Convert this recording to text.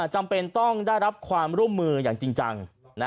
จำเป็นต้องได้รับความร่วมมืออย่างจริงจัง